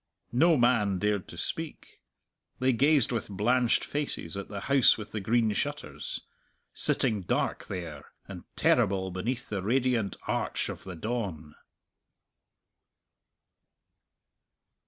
No man dared to speak. They gazed with blanched faces at the House with the Green Shutters, sitting dark there and terrible beneath the radiant arch of the dawn.